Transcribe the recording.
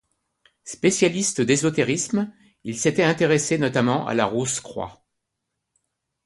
Spécialiste d'ésotérisme, il s'était intéressé notamment à la Rose-Croix.